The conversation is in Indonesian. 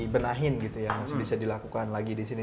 benahin gitu ya masih bisa dilakukan lagi di sini